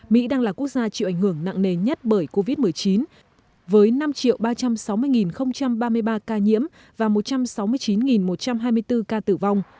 mỹ đang là quốc gia chịu ảnh hưởng nặng nề nhất bởi covid một mươi chín với năm ba trăm sáu mươi ba mươi ba ca nhiễm và một trăm sáu mươi chín một trăm hai mươi bốn ca tử vong